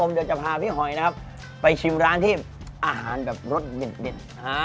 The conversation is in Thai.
เดี๋ยวจะพาพี่หอยนะครับไปชิมร้านที่อาหารแบบรสเด็ด